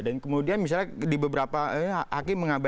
dan kemudian misalnya di beberapa hakim mengabek